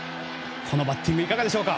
このバッティングいかがですか。